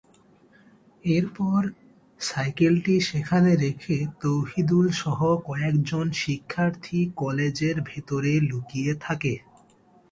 এরপর সাইকেলটি সেখানে রেখে তৌহিদুলসহ কয়েকজন শিক্ষার্থী কলেজের ভেতরে লুকিয়ে থাকে।